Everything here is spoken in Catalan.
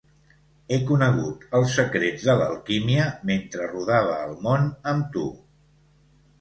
He conegut els secrets de l'alquímia mentre rodava el món amb tu.